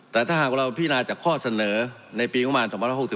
แต่ถ้าหากเราพี่นายจะข้อเสนอในปีงบมัน๒๐๖๖